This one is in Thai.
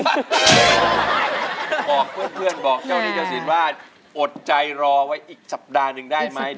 บอกเพื่อนบอกเจ้าที่เจ้าสินว่าอดใจรอไว้อีกสัปดาห์หนึ่งได้ไหม